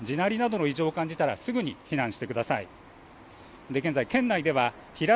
斜面の亀裂や地鳴りなどの異常を感じたらすぐに避難してください。